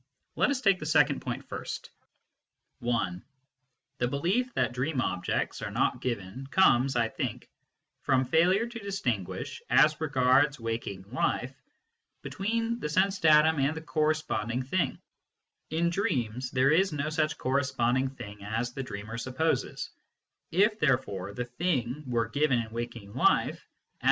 Let us take the second point first (1) The belief that dream objects are not given comes, I think, from failure to distinguish, as regards waking life, between the sense datum and the corresponding " thing/ In dreams, there is no such corresponding " thing " as the dreamer supposes ; if, therefore, the " thing " were given in waking life, as e.